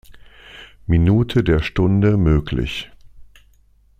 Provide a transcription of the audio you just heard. Minute der Stunde möglich.